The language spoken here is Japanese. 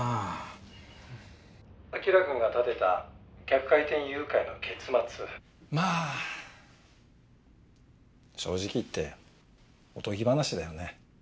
「輝くんが立てた逆回転誘拐の結末」まあ正直言っておとぎ話だよね。